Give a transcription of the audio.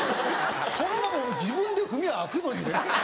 そんなもん自分で踏みゃ開くのにね。